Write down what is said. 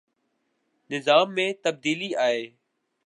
نظام میں تبدیلی آئے۔